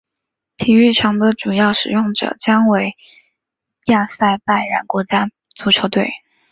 体育场的主要使用者将为亚塞拜然国家足球队。